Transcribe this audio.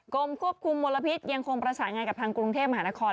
กรมควบคุมมลพิษยังคงประสานงานกับทางกรุงเทพมหานคร